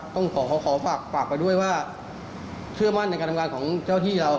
ต้องขอฝากไปด้วยว่าเชื่อมั่นในการทำงานของเจ้าที่เรา